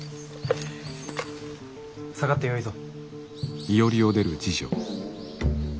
下がってよいぞ。